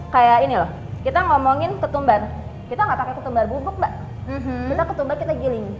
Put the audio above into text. kayak ini loh kita ngomongin ketumbar kita nggak pakai ketumbar bubuk mbak kita ketumbar kita giling